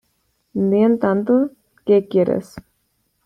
Di en tanto, ¿qué quieres?